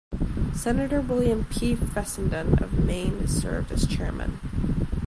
Senator William P. Fessenden of Maine served as chairman.